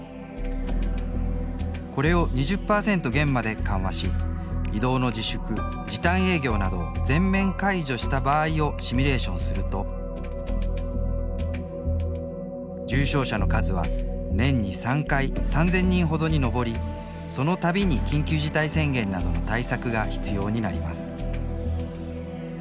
これを２０％減まで緩和し移動の自粛、時短営業などを全面解除した場合をシミュレーションすると重症者の数は年に３回３０００人ほどに上りそのたびに緊急事態宣言などの対策が必要になります。